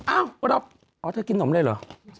อ้าวเราอ๋อเธอกินนมเลยเหรอ